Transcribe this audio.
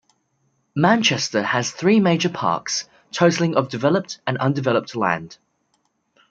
Manchester has three major parks, totaling of developed and undeveloped land.